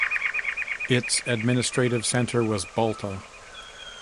Its administrative centre was Balta.